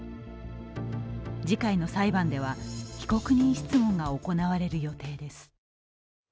次回の裁判では被告人質問が行われる予定です。